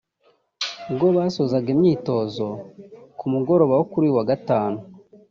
ubwo basozaga imyitozo ku mugoroba wo kuri uyu wa Gatanu